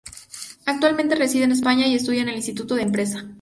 Actualmente reside en España, y estudia en el Instituto de Empresa.